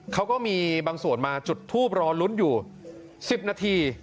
เขาก็มีบางส่วนมาจุดทูปรอลุ้นอยู่๑๐นาที